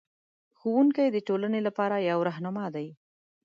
ښوونکی د ټولنې لپاره یو رهنما دی.